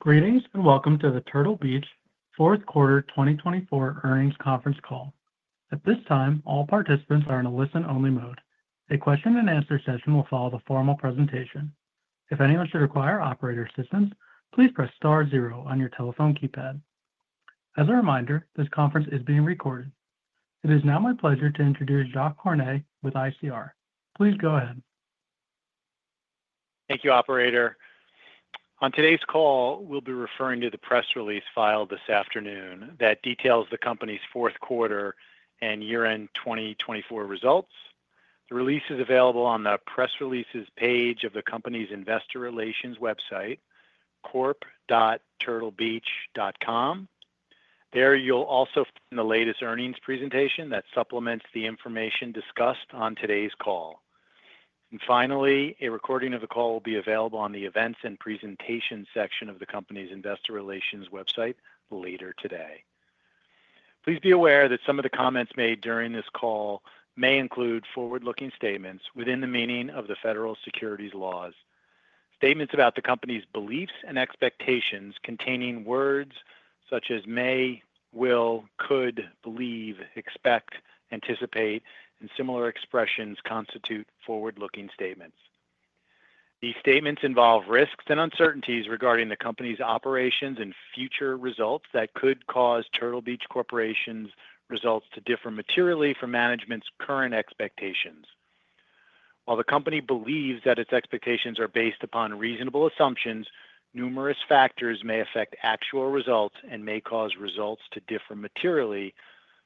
Greetings and welcome to the Turtle Beach fourth quarter 2024 earnings conference call. At this time, all participants are in a listen-only mode. A question-and-answer session will follow the formal presentation. If anyone should require operator assistance, please press star zero on your telephone keypad. As a reminder, this conference is being recorded. It is now my pleasure to introduce Jacques Cornet with ICR. Please go ahead. Thank you, Operator. On today's call, we'll be referring to the press release filed this afternoon that details the company's fourth quarter and year-end 2024 results. The release is available on the press releases page of the company's investor relations website, corp.turtlebeach.com. There you'll also find the latest earnings presentation that supplements the information discussed on today's call. Finally, a recording of the call will be available on the events and presentation section of the company's investor relations website later today. Please be aware that some of the comments made during this call may include forward-looking statements within the meaning of the federal securities laws. Statements about the company's beliefs and expectations containing words such as may, will, could, believe, expect, anticipate, and similar expressions constitute forward-looking statements. These statements involve risks and uncertainties regarding the company's operations and future results that could cause Turtle Beach Corporation's results to differ materially from management's current expectations. While the company believes that its expectations are based upon reasonable assumptions, numerous factors may affect actual results and may cause results to differ materially,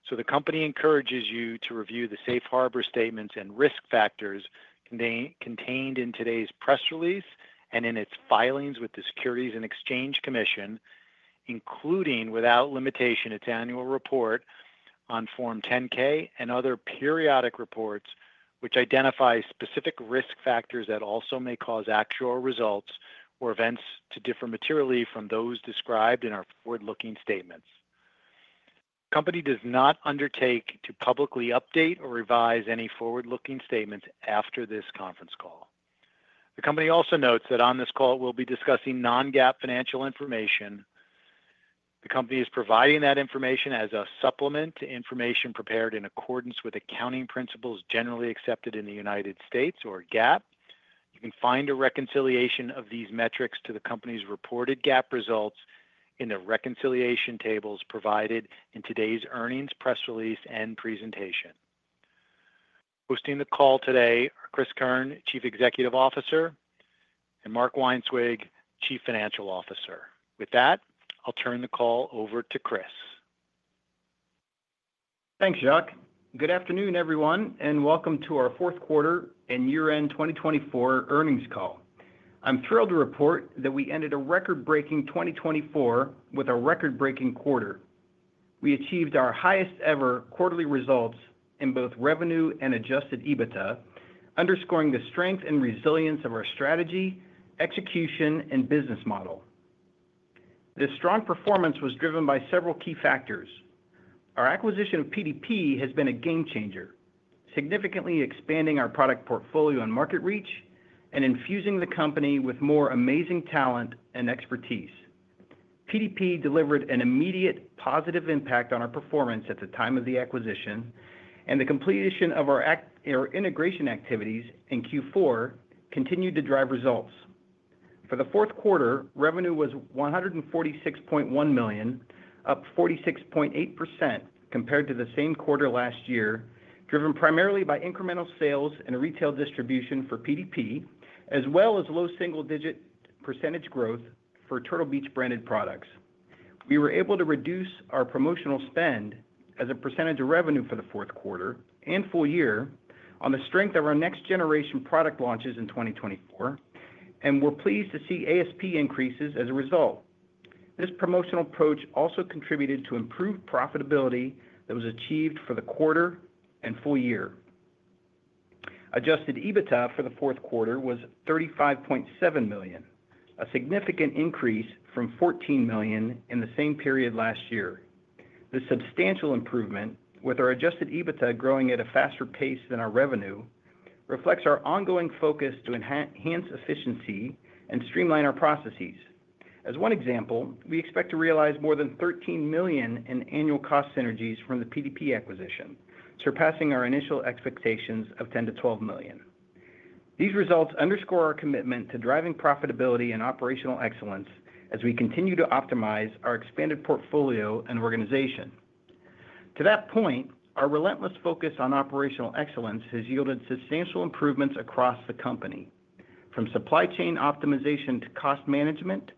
so the company encourages you to review the safe harbor statements and risk factors contained in today's press release and in its filings with the Securities and Exchange Commission, including, without limitation, its annual report on Form 10-K and other periodic reports which identify specific risk factors that also may cause actual results or events to differ materially from those described in our forward-looking statements. The company does not undertake to publicly update or revise any forward-looking statements after this conference call. The company also notes that on this call, it will be discussing non-GAAP financial information. The company is providing that information as a supplement to information prepared in accordance with accounting principles generally accepted in the U.S., or GAAP. You can find a reconciliation of these metrics to the company's reported GAAP results in the reconciliation tables provided in today's earnings press release and presentation. Hosting the call today are Cris Keirn, Chief Executive Officer, and Mark Weinswig, Chief Financial Officer. With that, I'll turn the call over to Cris. Thanks, Jacques. Good afternoon, everyone, and welcome to our Fourth Quarter and Year End 2024 Earnings Call. I'm thrilled to report that we ended a record-breaking 2024 with a record-breaking quarter. We achieved our highest-ever quarterly results in both revenue and adjusted EBITDA, underscoring the strength and resilience of our strategy, execution, and business model. This strong performance was driven by several key factors. Our acquisition of PDP has been a game-changer, significantly expanding our product portfolio and market reach and infusing the company with more amazing talent and expertise. PDP delivered an immediate positive impact on our performance at the time of the acquisition, and the completion of our integration activities in Q4 continued to drive results. For the fourth quarter, revenue was $146.1 million, up 46.8% compared to the same quarter last year, driven primarily by incremental sales and retail distribution for PDP, as well as low single-digit % growth for Turtle Beach branded products. We were able to reduce our promotional spend as a % of revenue for the fourth quarter and full year on the strength of our next-generation product launches in 2024, and we're pleased to see ASP increases as a result. This promotional approach also contributed to improved profitability that was achieved for the quarter and full year. Adjusted EBITDA for the fourth quarter was $35.7 million, a significant increase from $14 million in the same period last year. This substantial improvement, with our adjusted EBITDA growing at a faster pace than our revenue, reflects our ongoing focus to enhance efficiency and streamline our processes. As one example, we expect to realize more than $13 million in annual cost synergies from the PDP acquisition, surpassing our initial expectations of $10 million-$12 million. These results underscore our commitment to driving profitability and operational excellence as we continue to optimize our expanded portfolio and organization. To that point, our relentless focus on operational excellence has yielded substantial improvements across the company. From supply chain optimization to cost management,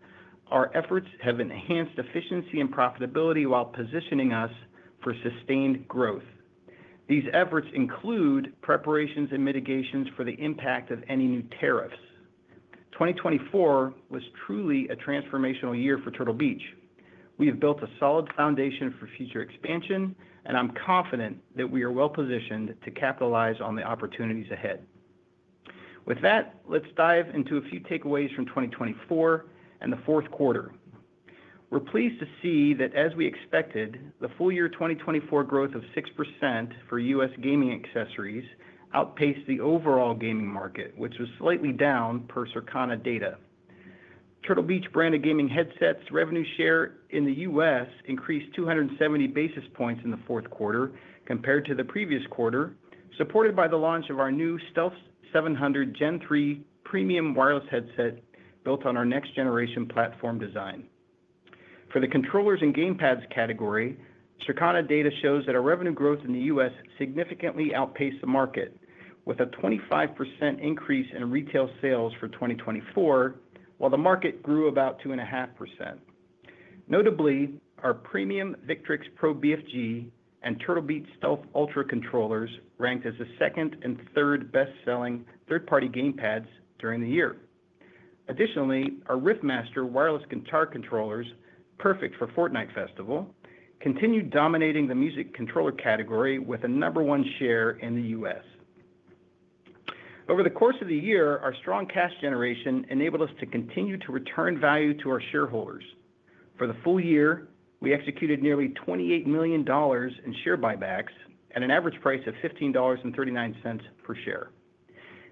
our efforts have enhanced efficiency and profitability while positioning us for sustained growth. These efforts include preparations and mitigations for the impact of any new tariffs. 2024 was truly a transformational year for Turtle Beach. We have built a solid foundation for future expansion, and I'm confident that we are well-positioned to capitalize on the opportunities ahead. With that, let's dive into a few takeaways from 2024 and the fourth quarter. We're pleased to see that, as we expected, the full-year 2024 growth of 6% for U.S. gaming accessories outpaced the overall gaming market, which was slightly down per Circana data. Turtle Beach branded gaming headsets' revenue share in the U.S. increased 270 basis points in the fourth quarter compared to the previous quarter, supported by the launch of our new Stealth 700 Gen 3 premium wireless headset built on our next-generation platform design. For the controllers and gamepads category, Circana data shows that our revenue growth in the U.S. significantly outpaced the market, with a 25% increase in retail sales for 2024, while the market grew about 2.5%. Notably, our premium Victrix Pro BFG and Turtle Beach Stealth Ultra controllers ranked as the second and third best-selling third-party gamepads during the year. Additionally, our Riffmaster wireless guitar controllers, perfect for Fortnite Festival, continued dominating the music controller category with a number one share in the U.S. Over the course of the year, our strong cash generation enabled us to continue to return value to our shareholders. For the full year, we executed nearly $28 million in share buybacks at an average price of $15.39 per share.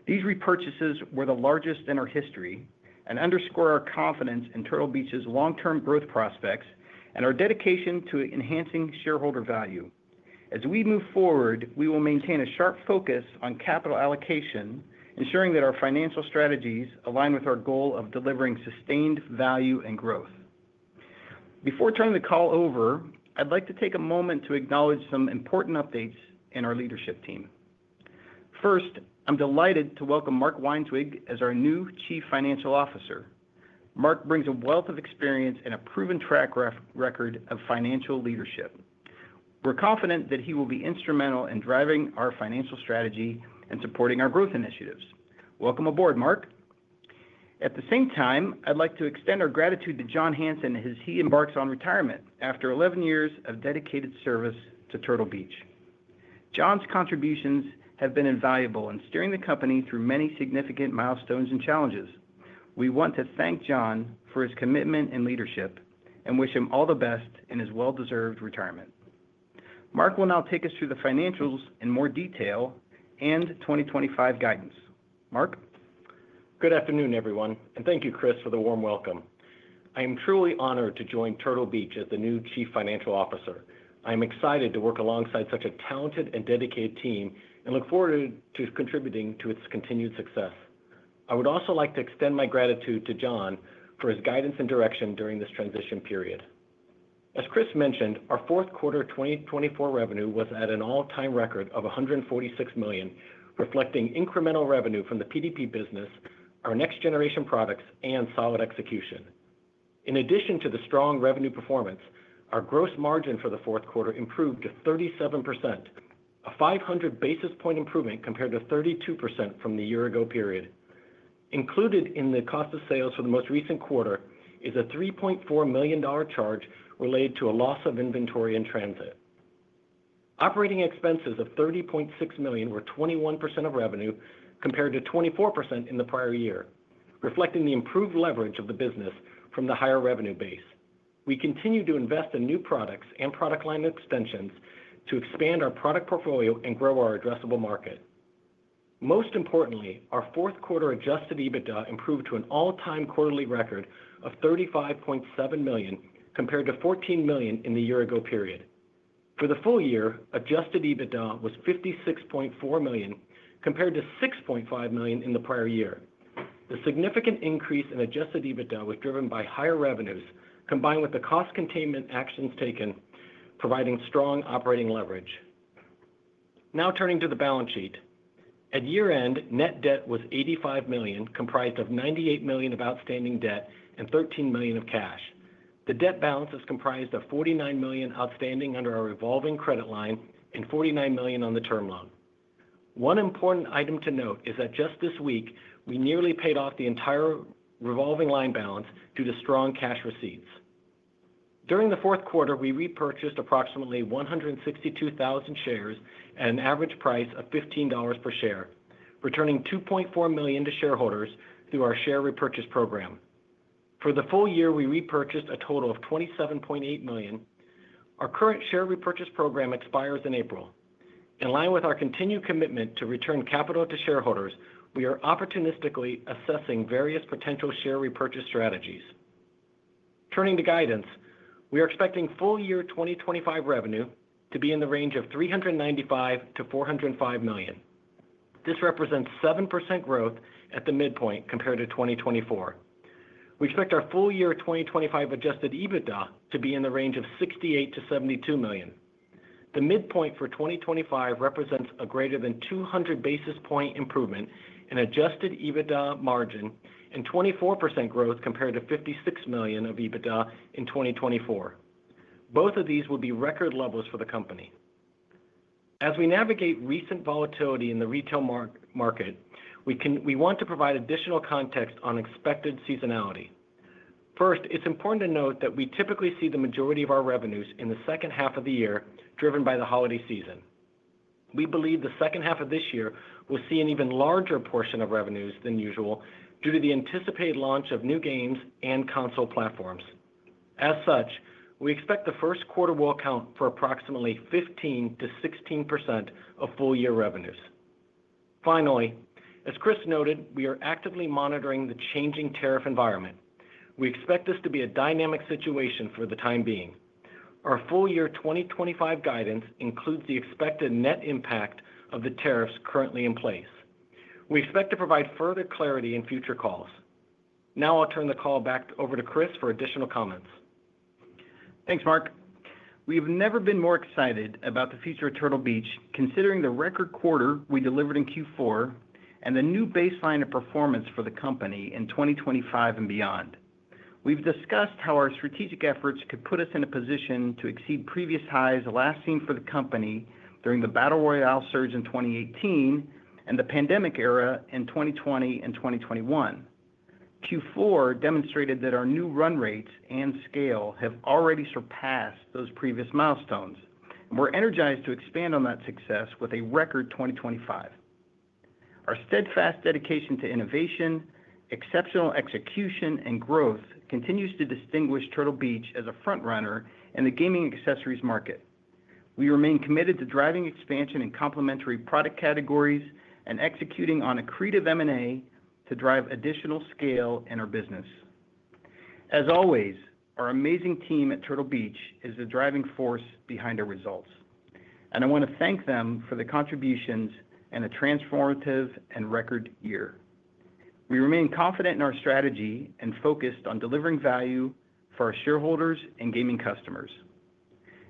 These repurchases were the largest in our history and underscore our confidence in Turtle Beach's long-term growth prospects and our dedication to enhancing shareholder value. As we move forward, we will maintain a sharp focus on capital allocation, ensuring that our financial strategies align with our goal of delivering sustained value and growth. Before turning the call over, I'd like to take a moment to acknowledge some important updates in our leadership team. First, I'm delighted to welcome Mark Weinswig as our new Chief Financial Officer. Mark brings a wealth of experience and a proven track record of financial leadership. We're confident that he will be instrumental in driving our financial strategy and supporting our growth initiatives. Welcome aboard, Mark. At the same time, I'd like to extend our gratitude to John Hanson as he embarks on retirement after 11 years of dedicated service to Turtle Beach. John's contributions have been invaluable in steering the company through many significant milestones and challenges. We want to thank John for his commitment and leadership and wish him all the best in his well-deserved retirement. Mark will now take us through the financials in more detail and 2025 guidance. Mark? Good afternoon, everyone, and thank you, Cris, for the warm welcome. I am truly honored to join Turtle Beach as the new Chief Financial Officer. I am excited to work alongside such a talented and dedicated team and look forward to contributing to its continued success. I would also like to extend my gratitude to John for his guidance and direction during this transition period. As Cris mentioned, our fourth quarter 2024 revenue was at an all-time record of $146 million, reflecting incremental revenue from the PDP business, our next-generation products, and solid execution. In addition to the strong revenue performance, our gross margin for the fourth quarter improved to 37%, a 500 basis point improvement compared to 32% from the year-ago period. Included in the cost of sales for the most recent quarter is a $3.4 million charge related to a loss of inventory in transit. Operating expenses of $30.6 million were 21% of revenue compared to 24% in the prior year, reflecting the improved leverage of the business from the higher revenue base. We continue to invest in new products and product line extensions to expand our product portfolio and grow our addressable market. Most importantly, our fourth quarter adjusted EBITDA improved to an all-time quarterly record of $35.7 million compared to $14 million in the year-ago period. For the full year, adjusted EBITDA was $56.4 million compared to $6.5 million in the prior year. The significant increase in adjusted EBITDA was driven by higher revenues combined with the cost containment actions taken, providing strong operating leverage. Now turning to the balance sheet. At year-end, net debt was $85 million, comprised of $98 million of outstanding debt and $13 million of cash. The debt balance is comprised of $49 million outstanding under our revolving credit line and $49 million on the term loan. One important item to note is that just this week, we nearly paid off the entire revolving line balance due to strong cash receipts. During the fourth quarter, we repurchased approximately 162,000 shares at an average price of $15 per share, returning $2.4 million to shareholders through our share repurchase program. For the full year, we repurchased a total of $27.8 million. Our current share repurchase program expires in April. In line with our continued commitment to return capital to shareholders, we are opportunistically assessing various potential share repurchase strategies. Turning to guidance, we are expecting full-year 2025 revenue to be in the range of $395 million-$405 million. This represents 7% growth at the midpoint compared to 2024. We expect our full-year 2025 adjusted EBITDA to be in the range of $68 million-$72 million. The midpoint for 2025 represents a greater than 200 basis point improvement in adjusted EBITDA margin and 24% growth compared to $56 million of EBITDA in 2024. Both of these would be record levels for the company. As we navigate recent volatility in the retail market, we want to provide additional context on expected seasonality. First, it's important to note that we typically see the majority of our revenues in the second half of the year driven by the holiday season. We believe the second half of this year will see an even larger portion of revenues than usual due to the anticipated launch of new games and console platforms. As such, we expect the first quarter will account for approximately 15%-16% of full-year revenues. Finally, as Cris noted, we are actively monitoring the changing tariff environment. We expect this to be a dynamic situation for the time being. Our full-year 2025 guidance includes the expected net impact of the tariffs currently in place. We expect to provide further clarity in future calls. Now I'll turn the call back over to Cris for additional comments. Thanks, Mark. We have never been more excited about the future of Turtle Beach, considering the record quarter we delivered in Q4 and the new baseline of performance for the company in 2025 and beyond. We've discussed how our strategic efforts could put us in a position to exceed previous highs last seen for the company during the battle royale surge in 2018 and the pandemic era in 2020 and 2021. Q4 demonstrated that our new run rates and scale have already surpassed those previous milestones, and we're energized to expand on that success with a record 2025. Our steadfast dedication to innovation, exceptional execution, and growth continues to distinguish Turtle Beach as a front-runner in the gaming accessories market. We remain committed to driving expansion in complementary product categories and executing on accretive M&A to drive additional scale in our business. As always, our amazing team at Turtle Beach is the driving force behind our results, and I want to thank them for the contributions and a transformative and record year. We remain confident in our strategy and focused on delivering value for our shareholders and gaming customers.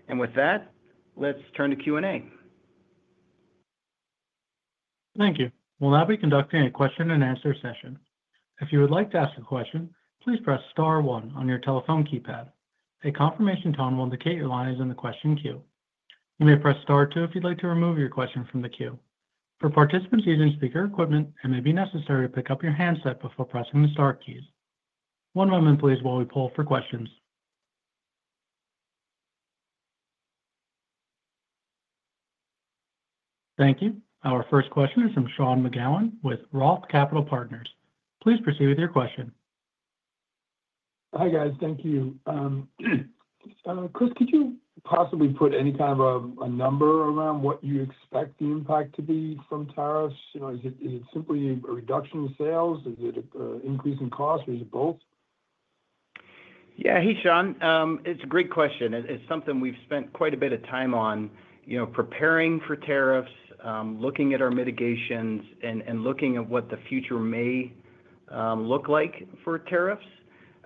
With that, let's turn to Q&A. Thank you. We'll now be conducting a question-and-answer session. If you would like to ask a question, please press star one on your telephone keypad. A confirmation tone will indicate your line is in the question queue. You may press star two if you'd like to remove your question from the queue. For participants using speaker equipment, it may be necessary to pick up your handset before pressing the star keys. One moment, please, while we pull for questions. Thank you. Our first question is from Sean McGowan with Roth Capital Partners. Please proceed with your question. Hi, guys. Thank you. Cris, could you possibly put any kind of a number around what you expect the impact to be from tariffs? Is it simply a reduction in sales? Is it an increase in cost, or is it both? Yeah, hey, Sean. It's a great question. It's something we've spent quite a bit of time on, preparing for tariffs, looking at our mitigations, and looking at what the future may look like for tariffs.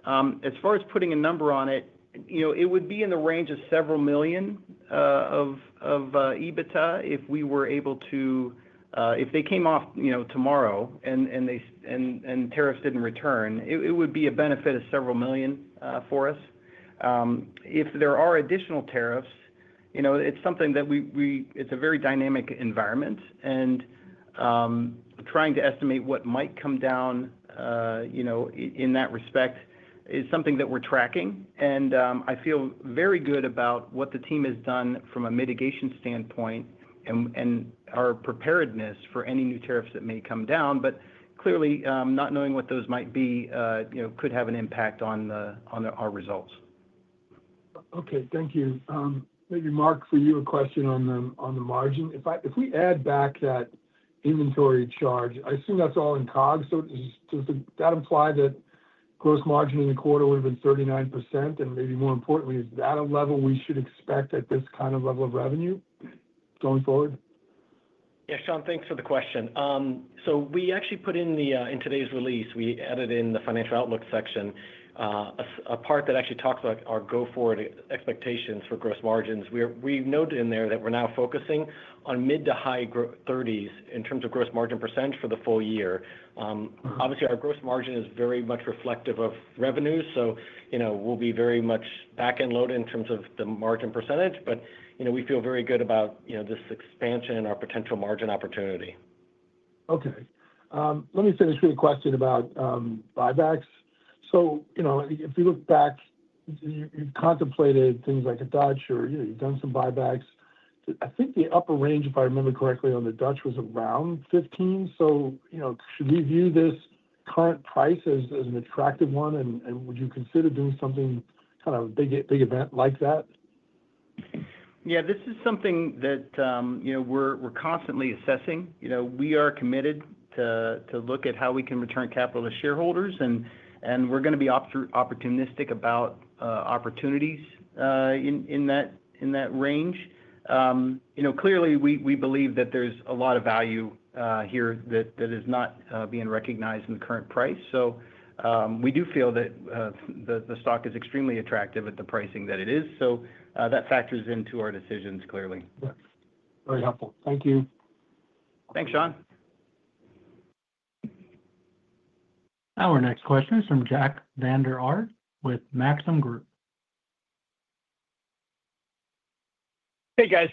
As far as putting a number on it, it would be in the range of several million of EBITDA if we were able to, if they came off tomorrow and tariffs didn't return, it would be a benefit of several million for us. If there are additional tariffs, it's something that we—it's a very dynamic environment, and trying to estimate what might come down in that respect is something that we're tracking. I feel very good about what the team has done from a mitigation standpoint and our preparedness for any new tariffs that may come down, but clearly, not knowing what those might be could have an impact on our results. Okay. Thank you. Maybe, Mark, for you, a question on the margin. If we add back that inventory charge, I assume that's all in COGS. Does that imply that gross margin in the quarter would have been 39%? Maybe more importantly, is that a level we should expect at this kind of level of revenue going forward? Yeah, Sean, thanks for the question. We actually put in the—in today's release, we added in the financial outlook section a part that actually talks about our go-forward expectations for gross margins. We've noted in there that we're now focusing on mid to high 30s in terms of gross margin percentage for the full year. Obviously, our gross margin is very much reflective of revenues, so we'll be very much back and load in terms of the margin percentage, but we feel very good about this expansion and our potential margin opportunity. Okay. Let me finish with a question about buybacks. If you look back, you've contemplated things like a Dutch, or you've done some buybacks. I think the upper range, if I remember correctly, on the Dutch was around $15. Should we view this current price as an attractive one, and would you consider doing something kind of a big event like that? Yeah, this is something that we're constantly assessing. We are committed to look at how we can return capital to shareholders, and we're going to be opportunistic about opportunities in that range. Clearly, we believe that there's a lot of value here that is not being recognized in the current price. We do feel that the stock is extremely attractive at the pricing that it is. That factors into our decisions, clearly. Very helpful. Thank you. Thanks, Sean. Our next question is from Jack Vander Aarde with Maxim Group. Hey, guys.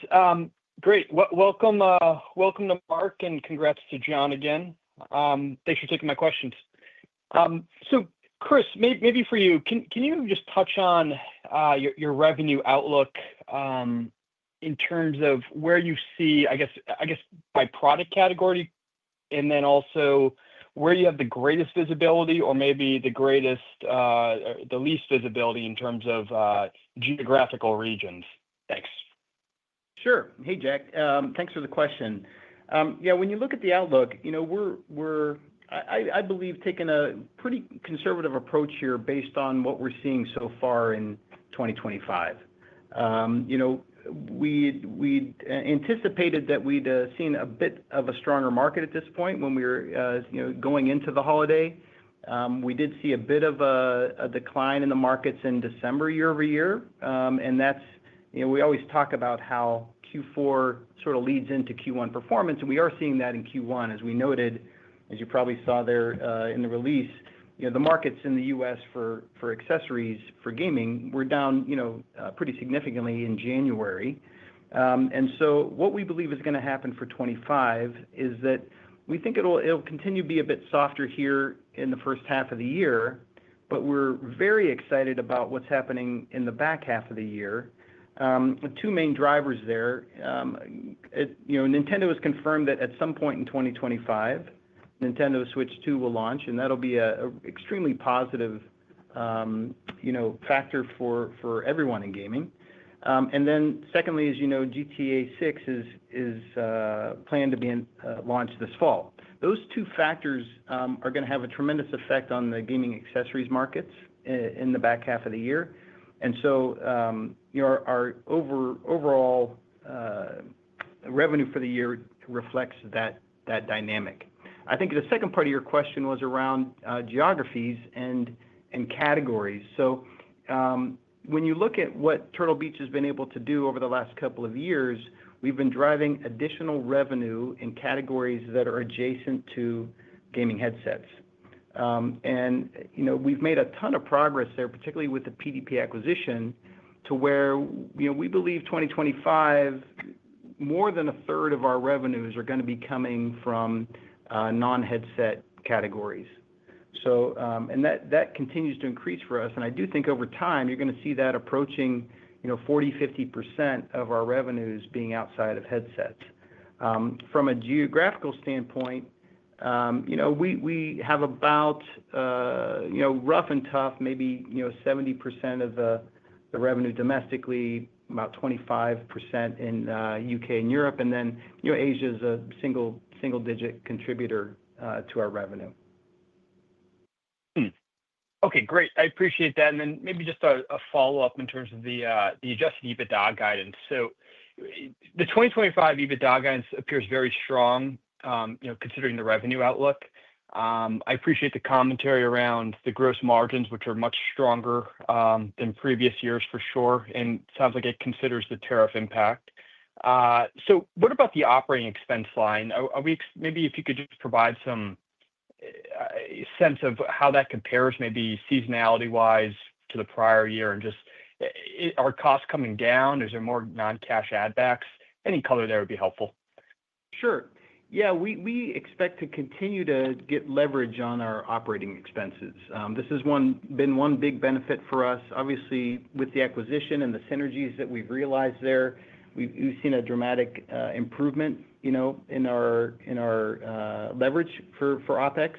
Great. Welcome to Mark and congrats to John again. Thanks for taking my questions. Cris, maybe for you, can you just touch on your revenue outlook in terms of where you see, I guess, by product category, and then also where you have the greatest visibility or maybe the least visibility in terms of geographical regions? Thanks. Sure. Hey, Jack. Thanks for the question. Yeah, when you look at the outlook, we're, I believe, taking a pretty conservative approach here based on what we're seeing so far in 2025. We anticipated that we'd seen a bit of a stronger market at this point when we were going into the holiday. We did see a bit of a decline in the markets in December year over year. We always talk about how Q4 sort of leads into Q1 performance, and we are seeing that in Q1. As we noted, as you probably saw there in the release, the markets in the U.S. for accessories for gaming were down pretty significantly in January. What we believe is going to happen for 2025 is that we think it'll continue to be a bit softer here in the first half of the year, but we're very excited about what's happening in the back half of the year. Two main drivers there. Nintendo has confirmed that at some point in 2025, Nintendo Switch 2 will launch, and that'll be an extremely positive factor for everyone in gaming. Secondly, as you know, GTA 6 is planned to be launched this fall. Those two factors are going to have a tremendous effect on the gaming accessories markets in the back half of the year. Our overall revenue for the year reflects that dynamic. I think the second part of your question was around geographies and categories. When you look at what Turtle Beach has been able to do over the last couple of years, we've been driving additional revenue in categories that are adjacent to gaming headsets. We've made a ton of progress there, particularly with the PDP acquisition, to where we believe 2025, more than a third of our revenues are going to be coming from non-headset categories. That continues to increase for us. I do think over time, you're going to see that approaching 40%-50% of our revenues being outside of headsets. From a geographical standpoint, we have about, rough and tough, maybe 70% of the revenue domestically, about 25% in the U.K. and Europe, and then Asia is a single-digit contributor to our revenue. Okay. Great. I appreciate that. Maybe just a follow-up in terms of the adjusted EBITDA guidance. The 2025 EBITDA guidance appears very strong considering the revenue outlook. I appreciate the commentary around the gross margins, which are much stronger than previous years, for sure. It sounds like it considers the tariff impact. What about the operating expense line? Maybe if you could just provide some sense of how that compares, maybe seasonality-wise, to the prior year and just are costs coming down? Is there more non-cash add-backs? Any color there would be helpful. Sure. Yeah, we expect to continue to get leverage on our operating expenses. This has been one big benefit for us. Obviously, with the acquisition and the synergies that we've realized there, we've seen a dramatic improvement in our leverage for OpEx.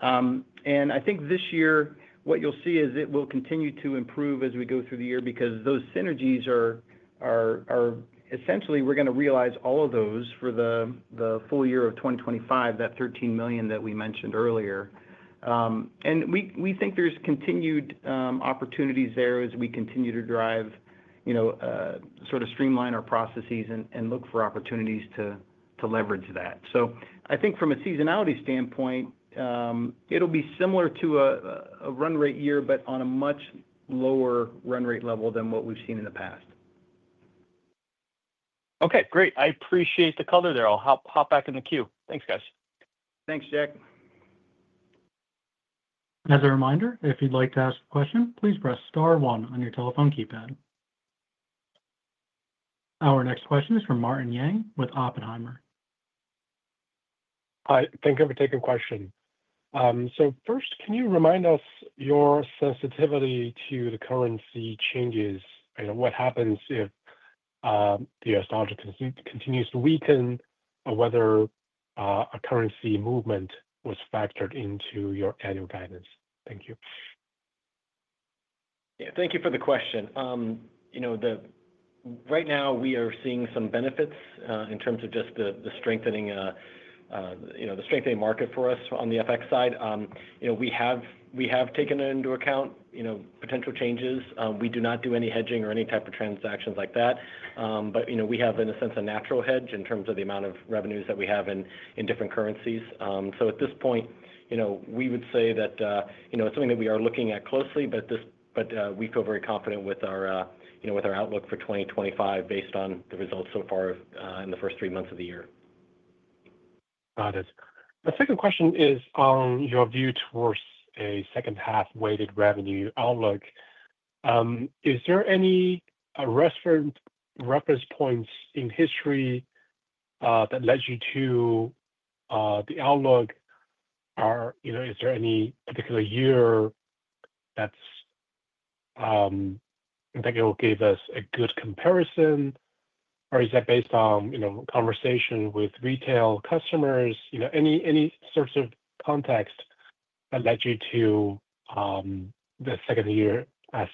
I think this year, what you'll see is it will continue to improve as we go through the year because those synergies are essentially we're going to realize all of those for the full year of 2025, that $13 million that we mentioned earlier. We think there's continued opportunities there as we continue to drive, sort of streamline our processes and look for opportunities to leverage that. I think from a seasonality standpoint, it'll be similar to a run rate year, but on a much lower run rate level than what we've seen in the past. Okay. Great. I appreciate the color there. I'll hop back in the queue. Thanks, guys. Thanks, Jack. As a reminder, if you'd like to ask a question, please press star one on your telephone keypad. Our next question is from Martin Yang with Oppenheimer. Hi. Thank you for taking the question. First, can you remind us your sensitivity to the currency changes? What happens if the U.S. dollar continues to weaken or whether a currency movement was factored into your annual guidance? Thank you. Yeah. Thank you for the question. Right now, we are seeing some benefits in terms of just the strengthening market for us on the FX side. We have taken into account potential changes. We do not do any hedging or any type of transactions like that, but we have, in a sense, a natural hedge in terms of the amount of revenues that we have in different currencies. At this point, we would say that it's something that we are looking at closely, but we feel very confident with our outlook for 2025 based on the results so far in the first three months of the year. Got it. The second question is on your view towards a second-half weighted revenue outlook. Is there any reference points in history that led you to the outlook? Is there any particular year that you think it will give us a good comparison, or is that based on conversation with retail customers? Any sorts of context that led you to the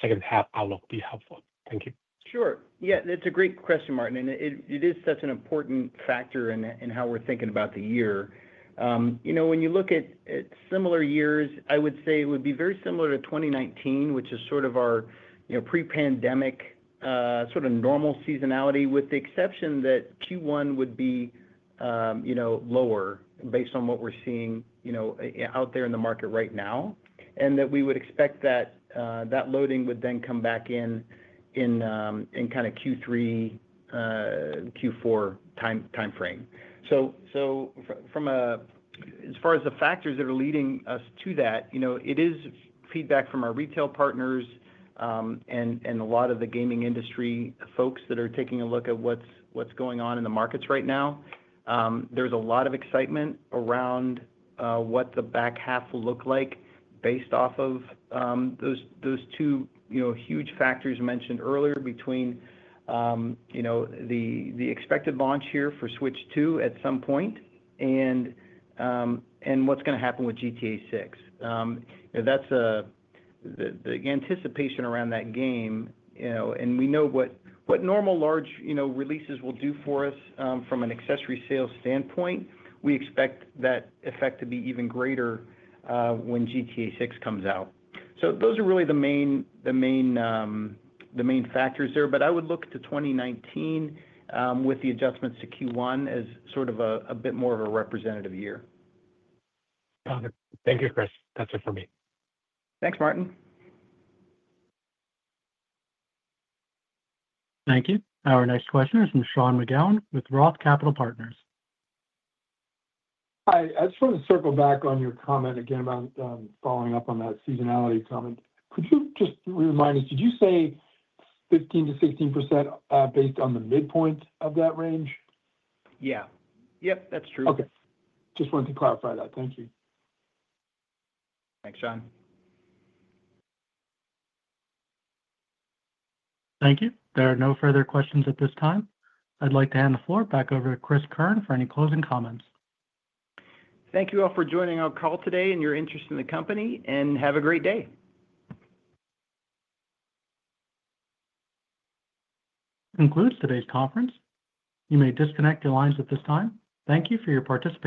second-half outlook would be helpful. Thank you. Sure. Yeah, it's a great question, Martin. It is such an important factor in how we're thinking about the year. When you look at similar years, I would say it would be very similar to 2019, which is sort of our pre-pandemic sort of normal seasonality, with the exception that Q1 would be lower based on what we're seeing out there in the market right now, and that we would expect that loading would then come back in kind of Q3, Q4 timeframe. As far as the factors that are leading us to that, it is feedback from our retail partners and a lot of the gaming industry folks that are taking a look at what's going on in the markets right now. There's a lot of excitement around what the back half will look like based off of those two huge factors mentioned earlier between the expected launch here for Switch 2 at some point and what's going to happen with GTA 6. That's the anticipation around that game. We know what normal large releases will do for us from an accessory sales standpoint. We expect that effect to be even greater when GTA 6 comes out. Those are really the main factors there. I would look to 2019 with the adjustments to Q1 as sort of a bit more of a representative year. Got it. Thank you, Cris. That's it for me. Thanks, Martin. Thank you. Our next question is from Sean McGowan with Roth Capital Partners. Hi. I just wanted to circle back on your comment again about following up on that seasonality comment. Could you just remind us, did you say 15%-16% based on the midpoint of that range? Yeah. Yep, that's true. Okay. Just wanted to clarify that. Thank you. Thanks, Sean. Thank you. There are no further questions at this time. I'd like to hand the floor back over to Cris Keirn for any closing comments. Thank you all for joining our call today and your interest in the company, and have a great day. Concludes today's conference. You may disconnect your lines at this time. Thank you for your participation.